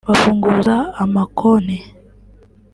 bafunguza ama konti